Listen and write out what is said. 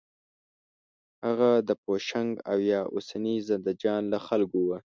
هغه د پوشنګ او یا اوسني زندهجان له خلکو و.